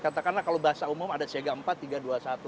katakanlah kalau bahasa umum ada sega empat tiga dua satu